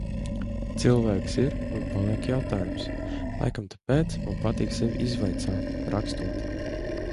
Cilvēks ir un paliek jautājums. Laikam tāpēc man patīk sevi izvaicāt, rakstot.